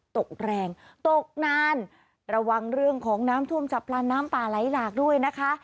ตกแรงตกนานระวังเรื่องของน้ำท่วมจับปลาน้ำป่าไหลหลากด้วยนะคะ